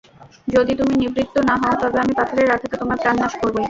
যদি তুমি নিবৃত্ত না হও, তবে আমি পাথরের আঘাতে তোমার প্রাণ নাশ করবোই।